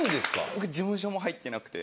僕事務所も入ってなくて。